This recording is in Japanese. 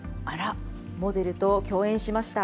モデルと共演しました。